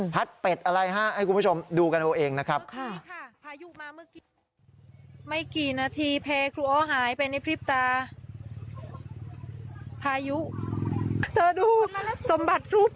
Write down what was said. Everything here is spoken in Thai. เป็ดอะไรฮะให้คุณผู้ชมดูกันเอาเองนะครับ